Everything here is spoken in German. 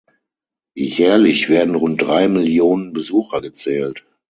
Jährlich werden rund drei Millionen Besucher gezählt.